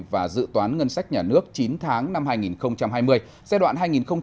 và dự toán ngân sách nhà nước chín tháng năm hai nghìn hai mươi giai đoạn hai nghìn một mươi sáu hai nghìn hai mươi